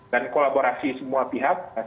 dan kolaborasi semua pihak sangat sulit